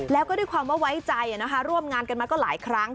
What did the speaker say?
แล้วก็ด้วยความว่าไว้ใจนะคะร่วมงานกันมาก็หลายครั้ง